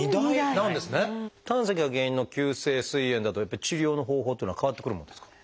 胆石が原因の急性すい炎だとやっぱり治療の方法っていうのは変わってくるもんですか？